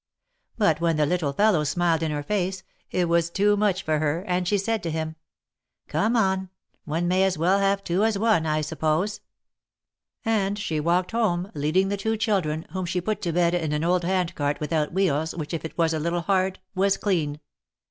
But when the little fellow smiled in her face, it was too much for her, and she said to him :" Come on, one may as well have two as one, I suppose." And she walked home, leading the two children, whom she put to bed in an old hand cart without wheels, which if it was a little hard, was clean.